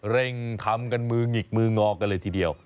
เร่งทำกันมือหงิกมืองอกันเลยทีเดียว